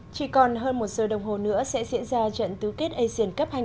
chỉ còn hơn một giờ đồng hồ nữa sẽ diễn ra trận tứ kết asian cup hai nghìn hai mươi